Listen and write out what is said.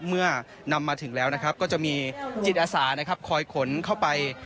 เมื่อนำมาถึงแล้วนะครับก็จะมีจิตอาสานะครับคอยขนเข้าไป